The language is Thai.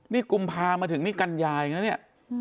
นี่กุมภามาถึงนี่กัญญาเองนะเนี่ย